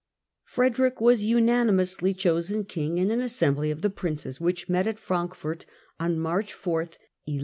Frederick was unanimously chosen King in an assembly of the princes which met at Frankfurt on March 4, 1152.